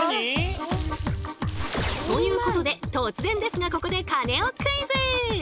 基本的にはということで突然ですがここでカネオクイズ！